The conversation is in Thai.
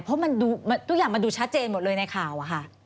เพราะทุกอย่างมันดูชัดเจนหมดเลยในข่าวอะค่ะ